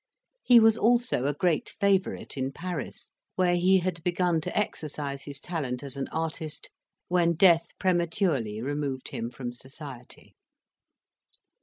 He was also a great favourite in Paris, where he had begun to exercise his talent as an artist, when death prematurely removed him from society.